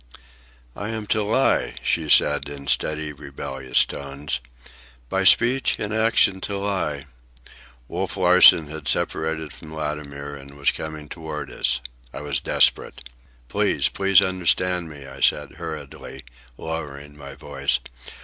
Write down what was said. "I am to lie," she said in steady, rebellious tones, "by speech and action to lie." Wolf Larsen had separated from Latimer and was coming toward us. I was desperate. "Please, please understand me," I said hurriedly, lowering my voice.